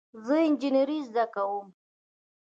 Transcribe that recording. زه انجینری زده کوم